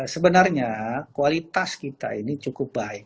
sebenarnya kualitas kita ini cukup baik